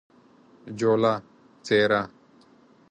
جوله : څیره